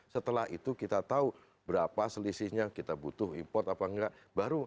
setelah itu kita tahu berapa selisihnya kita butuh import apa enggak baru